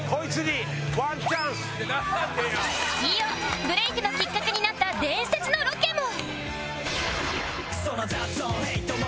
飯尾ブレイクのきっかけになった伝説のロケも！